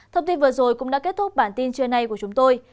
thông tin vừa rồi cũng đã kết thúc bản tin trưa nay của chúng tôi